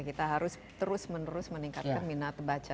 kita harus terus menerus meningkatkan minat baca